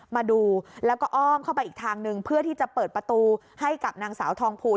มาดูแล้วก็อ้อมเข้าไปอีกทางหนึ่งเพื่อที่จะเปิดประตูให้กับนางสาวทองภูล